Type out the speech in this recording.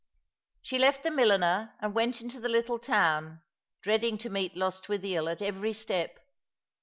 She left the milliner, and went into the little town, dreading to meet Lost wi thiol at every step.